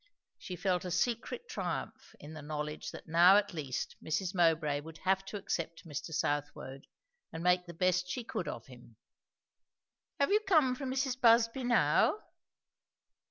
She felt a secret triumph in the knowledge that now at least Mrs. Mowbray would have to accept Mr. Southwode and make the best she could of him. "Have you come from Mrs. Busby now?"